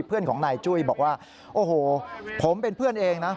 เพื่อนของนายจุ้ยบอกว่าโอ้โหผมเป็นเพื่อนเองนะ